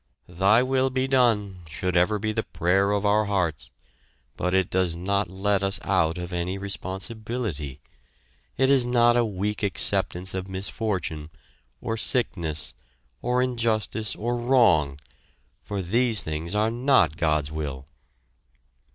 "Thy will be done!" should ever be the prayer of our hearts, but it does not let us out of any responsibility. It is not a weak acceptance of misfortune, or sickness, or injustice or wrong, for these things are not God's will.